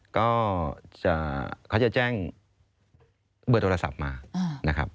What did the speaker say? ก็เขาจะแจ้งเบอร์โทรศัพท์มานะครับ